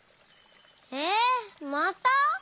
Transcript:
えっまた？